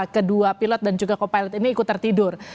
kedua pilot dan juga co pilot ini ikut tertidur